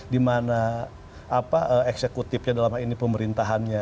dimana eksekutifnya dalam hal ini pemerintahannya